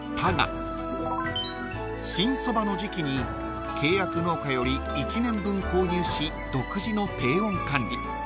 ［新そばの時季に契約農家より１年分購入し独自の低温管理］